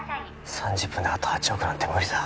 ３０分であと８億なんて無理だ